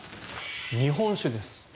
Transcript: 日本酒です。